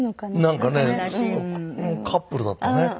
なんかねカップルだったね。